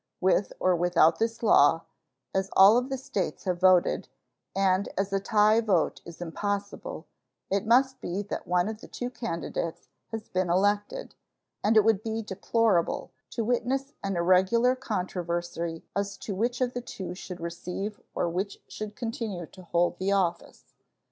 With or without this law, as all of the States have voted, and as a tie vote is impossible, it must be that one of the two candidates has been elected; and it would be deplorable to witness an irregular controversy as to which of the two should receive or which should continue to hold the office.